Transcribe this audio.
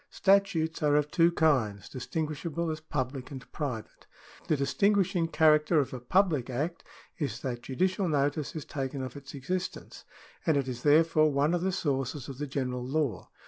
— Statutes are of two kinds, distin guishable as public and private. The distinguishing charac teristic of a public Act is that judicial notice is taken of its existence, and it is therefore one of the sources of the general law.